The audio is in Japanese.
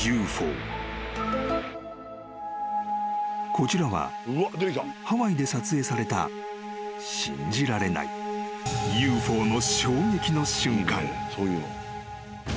［こちらはハワイで撮影された信じられないＵＦＯの］